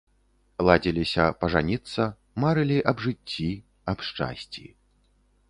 Ладзіліся пажаніцца, марылі аб жыцці, аб шчасці.